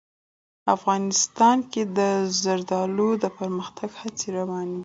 افغانستان کې د زردالو د پرمختګ هڅې روانې دي.